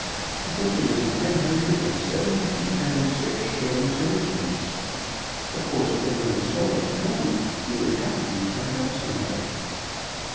I think it is nine hundred and seventy two pounds six shillings and eightpence. Of course, when there is so much money it would have to be tied up somehow."